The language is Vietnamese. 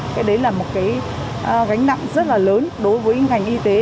cái đấy là một cái gánh nặng rất là lớn đối với ngành y tế